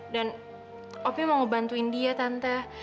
dan opi mau ngebantuin dia tante